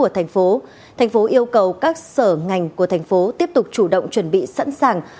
thành phố yêu cầu các sở ngành của thành phố tiếp tục chủ động chuẩn bị sẵn sàng